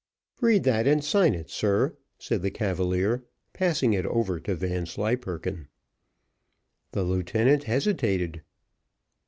"Read that, and sign it, sir," said the cavalier, passing it over to Vanslyperken. The lieutenant hesitated.